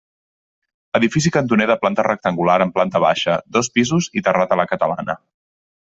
Edifici cantoner de planta rectangular amb planta baixa, dos pisos i terrat a la catalana.